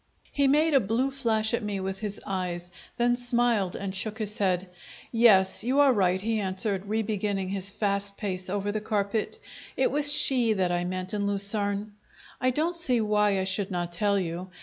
He made a blue flash at me with his eyes, then smiled and shook his head. "Yes, you are right," he answered, re beginning his fast pace over the carpet. "It was she that I meant in Lucerne I don't see why I should not tell you.